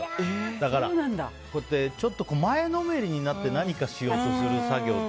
だからちょっと前のめりになって何かしようとする作業って。